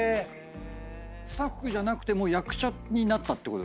スタッフじゃなくて役者になったってことですか？